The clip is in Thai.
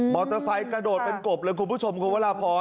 เตอร์ไซค์กระโดดเป็นกบเลยคุณผู้ชมคุณวราพร